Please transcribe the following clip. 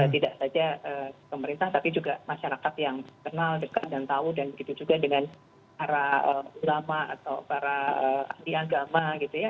tidak saja pemerintah tapi juga masyarakat yang kenal dekat dan tahu dan begitu juga dengan para ulama atau para ahli agama gitu ya